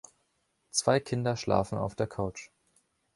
Zwei Kinder schlafen auf der Couch.